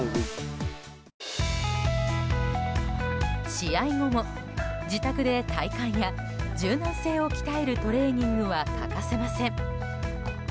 試合後も、自宅で体幹や柔軟性を鍛えるトレーニングは欠かせません。